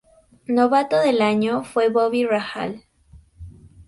Novato del Año fue Bobby Rahal.